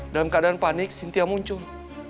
dalam keadaan panik sintia muncul